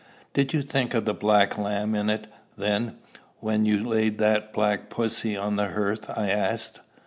"Did you think of the black lamb in it, then, when you laid that black pussy on the hearth?" I asked.